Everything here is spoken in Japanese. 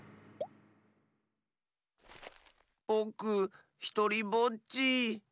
ぼくひとりぼっち。